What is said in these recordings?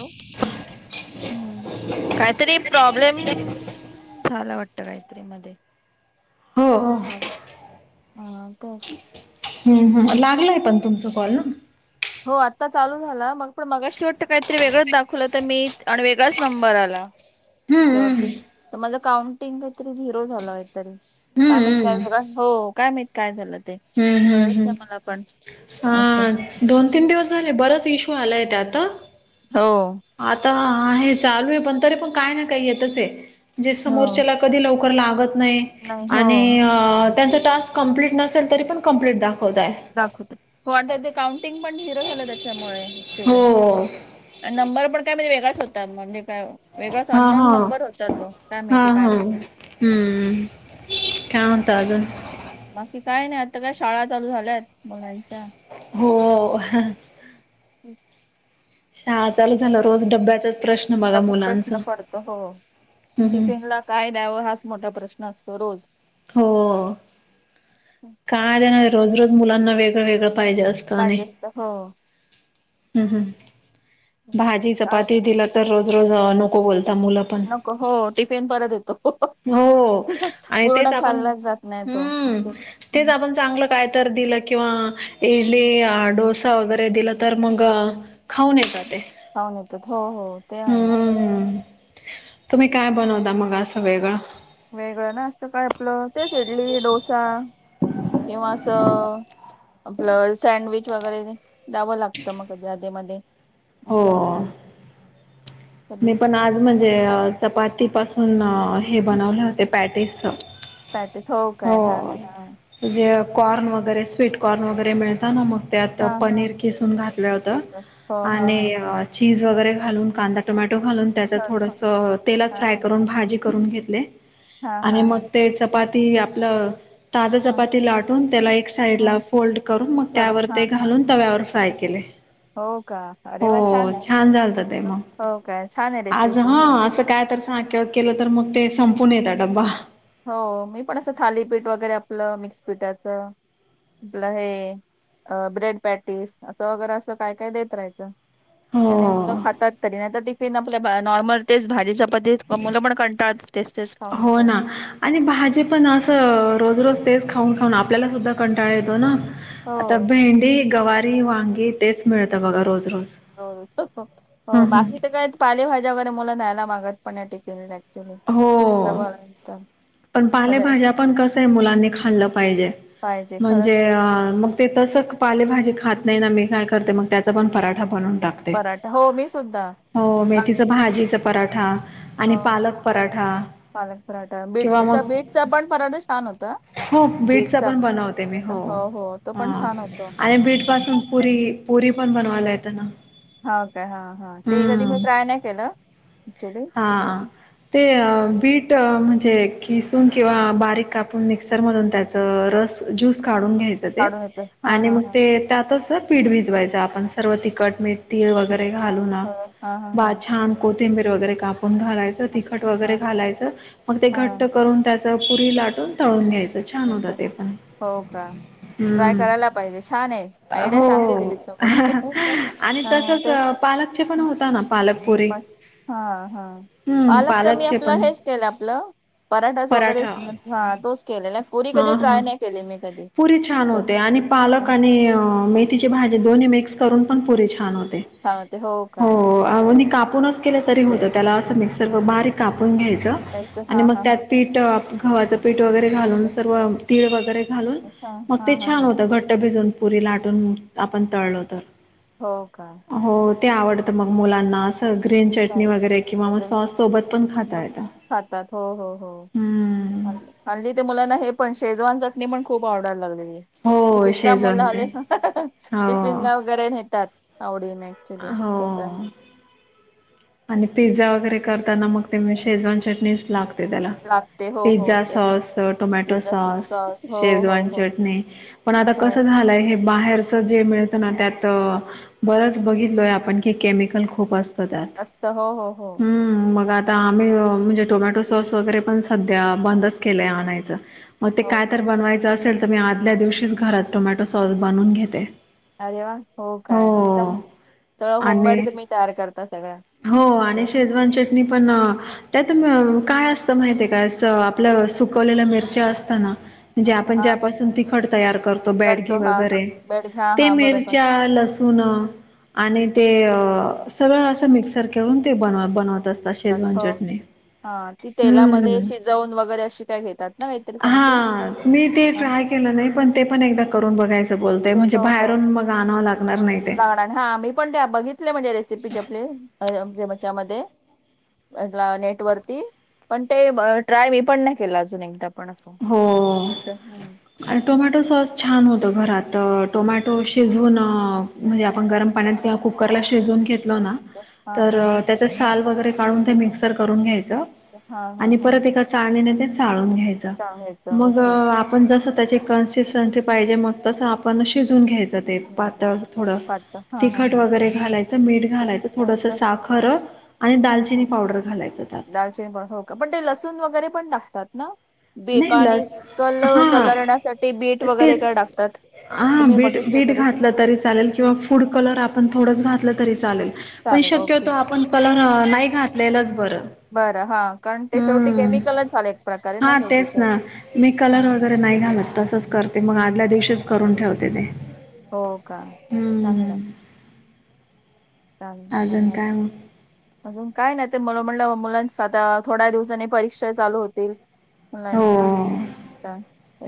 Hello हम्म काहीतरी problem झाला वाटत यत्री हो मध्येत हो भावी हा ते हम्म हम लागलाय पण तुमच कॉल ना हो आत्ता चालू झाला मग पण मगा शे वाटतं काहीतरी वेगळंच दाखवलं तर मी आणि वेगळाच नंबर आला हम्म हम्म त्याच्यावरती तर माझ काउंटिंग काहीत झरो झा हम्म का हो काय काय झा ते हम्म हम्म कळच हम्म नाही मला पण असं हा दोन तीन दिवस झाले बरच इशू आलाय त्या आता हो आ आहे चालू आहे पण तरी पण काय ना काय येतच आहे जे हो समोरच्याला कधी लवकर लागत नाही आणि त्यांचा टास्क कंप्लीट नसेल तरी पण कंप्ट द दाखवत ते काउं [inaudible] हो वेगच होता म्हणजे काय वेगळाच हा अन्न हा नंर होत हा हा हम्म का होता अजून बाकी काय नाही आता काय शाळा चालू झाल्यात मोलायच्या हो हम् शाळा चालू झालं रोज डब्याच प्रश्न पडत हो हम्म हम्म टिफिन ला काय द्यावं हाच मोठा प्रश्न नसतो रोज हो कायणार रोज रोज मुलांना वेगळं वेगळं पाहिजे असतं आणि पाहिजे तर हो हम्म हम् भाजी काय- चपाती दिला तर रोज रोज नको बोलत नको हो टिफिन परत येतो हो आणि पूर्ण तेच आपण खाल्लाच जात नाही तो हम्म तेच आपण चांगलं काय तर दिलं किंवा इडली डोसा वगैरे दिलं तर मग खाऊणे जाते ऊन येतात हो हो ते आहेच हम्म तुम्ही काय बनवता मगा सग वगळं वेगळं ना असं काय आपलं तेच इडली डोसा किंवा अस आपल सँडविच वगैरे द्यावं लागतं मग जाध मध्ये हो असं मी कधी पण आज म्हणजे चपाती पाासून हे बनवले होते पॅटीस पॅटीस हो काय हा हा हा म्हजे कॉर्न वगैरे स्वीट कॉर्न वगैरे मिळता ना मग त्यात हा पनीर किसून घातलं होत तसं. हो हा आणि हा चीज वगैरे घालून कांदा टोमॅटो घालून त्याच हा हा थोडस तेलात हा फ्राय करून भाजी करून घेतले हा हा आणि हा मग ते चपाती आपलं ताज हा चपाती लाटून त्याला एक साईड हा. ला फोल्ड करून मग त्यावर ते घालून तव्यावर हा. फ्राय केले हो का अरे हो वा आहे छान झालत ते मग हो काय छान आहे आज रेसिपी हा हो असं काय तर केलं तर मग ते संपून येत डब्बा हो मी पण असं थालीपीठ वगैरे आपलं मिक्स पीठाचं आपलं हे ब्रेड पॅटीस असं वगैरे अस काय काय देत राहायचं तर नाही मुलं हो. खातात तरी नाही तर फ आपल्या नॉर्मल तेच भाजी चपाती मुलं पण कंटाळतात तेच तेच खाऊन हो ना खाऊन आणि भाजी पण असं रोज ररोज तेच खाऊन खाऊन आपल्यालासुद्धा कंटाळा येतो ना हो आता भेंडी गवारी वांगी तेच मिळत बघा रोज रोज हो हं हं. बाकी तर काय पालेभाज्या वगैरे मुला न्यायला मागत पण टिक चलो हो अस पण पालेभाज्या पण कस आहे मुलांनी खाल्लं पाहिजे पाहिजे खरंच म्हणजे आहे अ मग ते तसं पालेभाजी खात नाही ना मी काय करते मग त्याचा पण पराठा बनवून पराठा हो मी सुद्धा हो गा मेथी भाजीचा पराठा हो आणि पालक पराठा किंवा त्याचा मग बेग चा पण पराठा छान होता हो बीटच बीटचा पण बनवते मी हो तो पण छान होतो आणि बीट पासून पुरी पुरी पण बनवायलाय ना हा का हा हा ते कधी मी हम्म ट्राय नाही केलं क्च्युली वीट म्हणजे कीसून किंवा बारीक कापून मिक्सर मधून त्याच रस ज्यूस काढून घ्यायच ते काढून येतं हा आणि हा मग हा ते त्यातच पीठ भीजवायच आपण सर्व तिखट मीठ तीळ हा वगैरे हा घालून हा हा छान कोथिंबीर वगैरे घालून ून घालायचं तिखट हा वगैरे घालायचं मग ते हा घट्ट करून त्याच पुरी लाटून तळून घ्यायचं छान होता मिसळ. ते पण हो का ट्राय हम्म करायला पाहिजे छान आहे आयडिया चांगली दिली हो तुम्ही आणि हा तसच ते पालक चे पण होता ना पालक हा हा हम्म पालक क मी पालकचे आपलं पण हेच केलं आपलं पराठाच वगैरे पराठा हा तोच केले नाही पुरी हा कधी हा ट्राय नाही केली मी कधी पुरी छान होते आणि पालक आणि मेथीची भाजी दोन्ही मिकस करून पण पुरी छान होते सांगते का हो हो कापून कापूनच केलं तरी होतं त्याला असं मिक्सर बारीक कापून घ्यायचं त्यांच आणि मग त्यात पीठ घवा्हाचं पीठ वगैरे घालून हा सर्व तीळ वगैरे घालून मग हा ते हा छान हा होतं घट्ट भिजून पुरी लाटून आपण तळलो तर हो का हा, हो ते आवडत हा. मग मुलांना ग्रीन चटणी वगैरे किंवा मग चालेल. सॉस सोबत पण खाता येत खातात हो हो हो हाल्ली ते मुला ना हे पण शेजवान चटणी पण खूप आवडायला लागलेली ती हो सुद्धा शेजवानचे मोलाले टिफिन हो. ला वगैरे नेतात आवडीन क्चली हो कस आणि पिझ्झा वगैरे करताना मग ते शेजवान चटणीच लागते त्याला लागते हो हो पिझ्झा ते सॉस टोमॅटो पिझ्झा सॉस हो हो शेजवान हो चटणी पण आता हो कस झालंय हे बाहेरच जे मिळत ना त्यात बरच बघितलोय आपण कि केमिकल खूप असत पदार्थ असत हो हो हो मग आता आम्ही म्हणजे टोमॅटो सॉस वगैरे पण सध्या बंदच केलंय आणायचं मग ते हो काय तर का बनवायचं असेल तर मी आदल्या दिवशीच घरात टोमॅटो सॉस बनवून घेते अरे वा हो काय एकदम सों आणि होमवर्क मी तयार करता सगळं हो ओके आणि शेजवान चटणी पण त्यात काय असतं माहि आहे काय अस आपलं सुकवलेल्या मिरच्या असत ना म्हणजे असं आपण हा ज्यापासून तिखट तयार करतो बॅडगे हा वगैरे बेड घ्या ते हा बरोबर मिरच्या लसण आणि ते सगळ अस मिक्सर करून ते बन बन असता शेजवान हो चटणी हा ती तेलामध्ये हम्म. शिजवून वगैरे अशी काय घेतात ना काहीतर कमती हां. मी ते हा ट्राय केलं नाही पण ते पण एकदा करून बघायचं बोलतय म्हणजे बाहेरून मग आणावं लागत काग हा मी पण त्या बघितले म्हणजे रेसिपीचे आपली जेमच्यामध्येध्ये नेट वरती पण ते ट्राय मी पण नाही केलं अजून एकदा पण असं हो असं हम्म आणि टोमॅटो सॉस छान होत घरात तर टोमॅटो शिजून म्हणजे आपण गरम पाण्यात किंवा कुकरला शिजवून घेत ना हा हा तर त्या साल वगैरे काढून ते मिक्सर करून घ्यायच. हा हा हा आणि हा परत एका चाळलेला ते चाळून घ्यायचं. सांगायचं मग ओके आपण जस त्याची कन्सिस्टनसी पाहिजे मग तस आपण शिजून घ्यायच. पातळ थोड पात हा हा तिखट हा वगैरे घाला. मीठ घालायचं थोडस अच्छा, हा. साखर आणि हम्म, दालचिनी हम्म. पावडर घालायचंत त्यात. लसून वगैरे पण टाकतात ना? बीट नाही आणि लस कल हा कलरण्यासाठी बीट वगैरे तेच काय टाकतात? असं हा मी बीट बघितलं बीट तरी घातलं तरी चालेल किंवा फूड कलर आपण थोडंच घातलं तरी पण चालेल शक्य होत ओके आपण कलर नाही घातले, बरं हा कारण ते शेवटी केमिकलच झाले एक प्रकारे, ना हा शेवटी तेच ते ना मी हा कलर वगैरे नाही घालत तसंच करते मग आदल्या दिवशीच करून ठेवते. ते हो का चांगलं. हम्म. चालेल अजून चालेल काय मग? अजून काय नाही ते म म्हणलं मुलां आता थोड्या दिवसानी परीक्षा चालू होतील. हो. मुलांच्या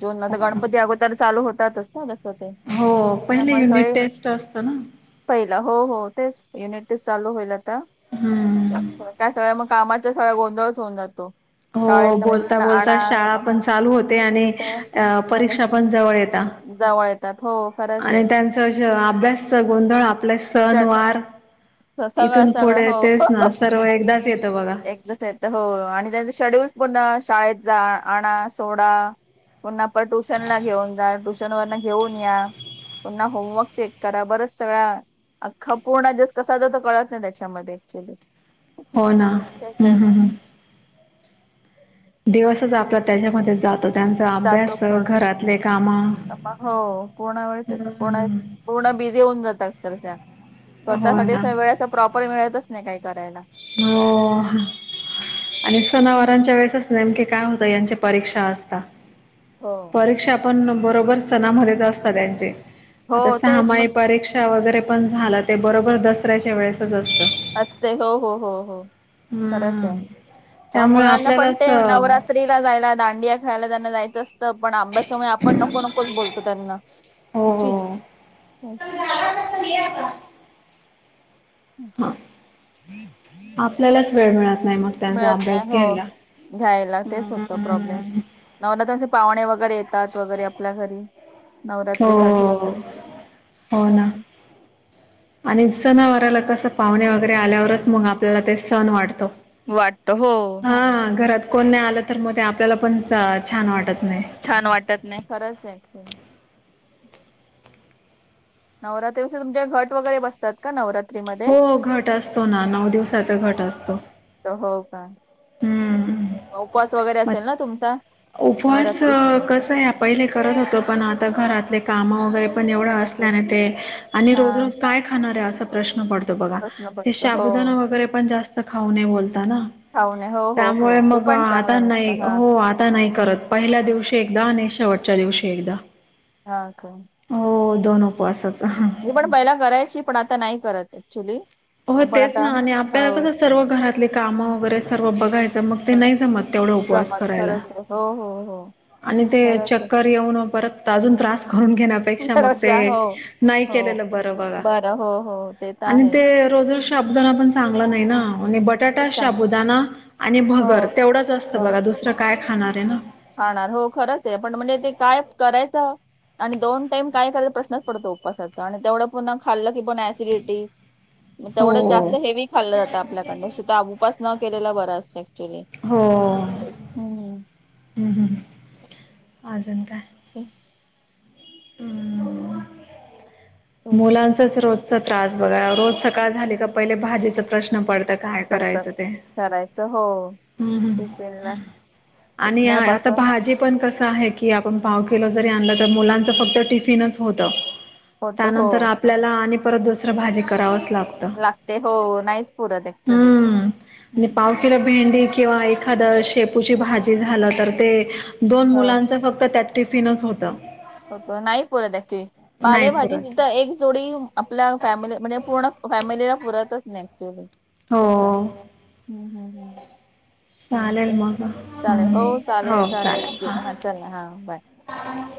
जुन मध्ये तर हो ना. गणपती अगोदर चालू होतातच, ते हो पहिले त्यामुळे युनिट सगळे टेस्ट असतं ना. पहिलं. हो हो तेच युनिट टेस्ट चालू होईल आता हम्म. काय सग मग, कामाचा सगळा गोंधळच होन जातो. हो शाळेत बोलता मुलांना बोलता आणा शाळा पण चालू होते आणि होत, अ, परीक्षा पण जवळ येता. जाव य आणि त्यांचं अभ्यासच गोंधळ आपल्या सण वार, सगळ इथून सगळ पुढे हो तेच ना सर्व एकदाच येतं बघा. एकदा हो आणि त्यांचे शेड्यूल पनण, शाळेत जा आण सोडा, पु्हा आपण ट्युशन ला घेऊन जा ट्युशन वरन घेऊन या. पुन्हा होमवर्क चेक करा बरच सगळ्या अख्ख पूर्ण दिवस कसा जातो, तर कळत नाही त्यांच्यामध्ये ऍक्च्युली. हो ना हम्म हम्म हम् दिवसच आपला त्याच्यामध्ये जातो. त्यांचा जातो अभ्यास पूर्ण घरातले काम, हो पूर्ण वेळ ते पूर्ण हम पूर्ण बिझी होऊन जात हो स्वतः ना. वेळ प्रॉपर मिळतच नाही काही करायला, हो आणि सनावरांच्या वेळेसच नेमके काय होतं यांच्या परीक्षा असता, हो परीक्षा पण बरोबर सणामध्येच असतात त्यांची, हो आता तेच सहामाई मग परीक्षा वगैरे पण झाला ते बरोबर दसऱ्याच्या वेळेसच असतं, असते हो हो हो हो खरंच आहे. हम्म तेव्हा त्यामुळे मुलांना पण आपल्यालाच ते नवरात्रीला जायला दांडिया खेळायला त्यांना जायचंत असं पण अभ्यासामुळे आपण नको नकोच बोलतो त्यांना, हो हच् हो. हम् त मिळत नाही हो घ्यायला. घ्यायला तेच होतं प्रॉब्लेम. हम्म नवरवरात्रांचे पाहुणे वगैरे येतात वगैरे आपल्या घरी, हो नवरात्रीसाठी हो. वगैरे हो ना त्यामुळे आणि सनावाराला कसं पाहुणे वगैरे आल्यावरच मग आपल्याला ते सण वाटतो. वाटत हो. हा घरात कोण नाही आलं तर मग ते आपल्याला पण छान वाटत. नाही. छान वाटत नाही खरंच आहे. नवरात्री तुमच्या घट वगैरे बसतात का नवरात हो हो घटं असतो ना नऊ दिवसाचा घटं असतो. हो हम्म उपवास वगैरे मग असेलं ना तुमचा. उपवास नवरात्री कसं आहे पहिले करत होतो पण आता घरातले काम वगैरे. पण एवढा असल्याने ते आणि रोज हा रोज काय खाणार आहे असा प्रश्न पडतो. बघा प्रश्न ते पडतो हो शबुदाना वगैरे पण जास्त खाऊ नये बोलता ना. खाऊ नये हो हो त्यामुळे हो ते मगं पण आता चांगलं नाही नसतं हा हो आता. नाही करत पहिल्या दिवशी एकदा आणि शेवटच्या दिवशी एकदा. हा का. हो दोन उपवास [unintelligible] मी पण पहिला करायची पण आता नाही करत ऍक्च्युली. हो पण तेच आता ना आणि आपल्याला हो कसं सर्व घरातले कामं वगैरे सर्व बघायचं. मगं ते पण नाही जमत तेवढा उपवास जमत करायला. खरंच आहे हो हो हो आणि ते खरंच आहे चक्कर येऊन परत अजून त्रास करून घेण्यापेक्षा मगं ते भरोशा हो नाही- नाही हो केलेल बरं बघा बरं हो हो ते तर आणि आहेच ते रोज रोज साबुदाणा- नाही बटाटा चांगलं शबुदाणा आणि हो भगर तेवढंच असतं मग बघा दुसर कायं. खाणार आहे ना. खाणार हो खरंच आहे पण म्हणजे ते काय करायचं. आणि दोन टाइम काय कराय प्रश्नच पडतो उपवासाचा आणि तेवढं पुन्हा खाल्लं. पण ॲसिडीटी मगं हो तेवढंच जास्त हेवी खाल्ल जातं आपल्याकडून [inaudible] न केलेला बरा असतं ॲच्युली. हो. हम्म हम्म अजून कायं. [inaudible] तेच मुलांचाच रोज- त्रास बघायं रोज सकाळ झाली का पहिले भाजीचा प्रश्न पडतात. पडतात करायचं हो हम्म हम्म टिफीनला. आणि आता भाजी पणं कस अंआहे की आपण पाव केलो. जरी आणलं तरं मुलांच फक्त टिपीनचं होत. होत हो त्यानंतर आपल्याला आणि- परत दुसरं भाजी करावं. राव लागतं. लागते हो नाहीच पुरत ऍक्च्युली हम्म आणि पाव किलो भेंडी- किंवा एखाद शेपूची भाजी झालं तर ते दोन हो मुलांच फक्त त्यात- टिफिनच होता. होतो नाही पूरत ॲच्युली पाले भाजी- पुरत एक जोडी आपल्या फॅमिली म्हणजे पूर्ण फॅमिलीला पुरतचं नाही ॲक्च्युली. असं हो हम्म हम्म. हम्म ठीक चालेल आहे मग चालेलं हम्म हो चालेलं चालेलं चालेल ओके हां हा चालेल हा बाय. रिकामा ऑडिओ